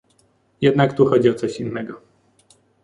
Jednak tu chodzi o coś innego